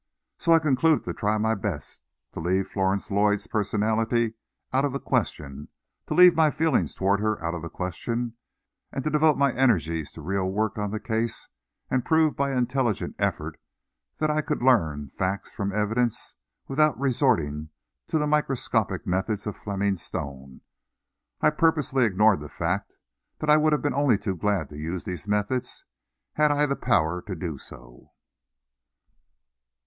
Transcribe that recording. So I concluded to try my best to leave Florence Lloyd's personality out of the question, to leave my feelings toward her out of the question, and to devote my energies to real work on the case and prove by intelligent effort that I could learn facts from evidence without resorting to the microscopic methods of Fleming Stone. I purposely ignored the fact that I would have been only too glad to use these methods had I the power to do so!